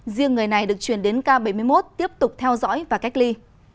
riêng người này được chuyển đến k bảy mươi một tiếp tục theo dõi và cách ly